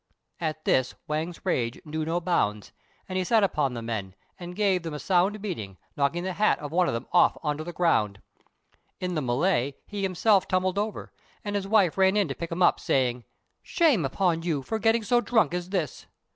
At this Wang's rage knew no bounds, and he set upon the men, and gave them a sound beating, knocking the hat of one off on to the ground. In the mêlée, he himself tumbled over, and his wife ran in to pick him up, saying, "Shame upon you, for getting so drunk as this!"